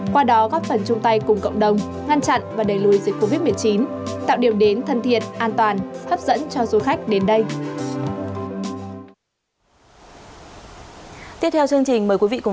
qua đó góp phần chung tay cùng cộng đồng ngăn chặn và đẩy lùi dịch vụ